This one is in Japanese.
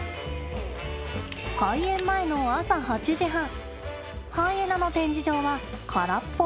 開園前の朝８時半ハイエナの展示場は空っぽ。